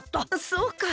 そうか！